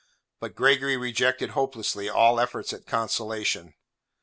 But Gregory rejected hopelessly all efforts at consolation.